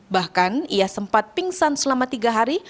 bahkan ia sempat pingsan selama tiga hari